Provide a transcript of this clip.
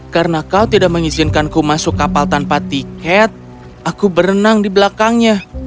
karena kau tidak mengizinkanku masuk kapal tanpa tiket aku berenang di belakangnya